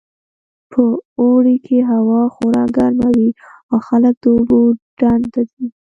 په اوړي کې هوا خورا ګرمه وي او خلک د اوبو ډنډ ته ځي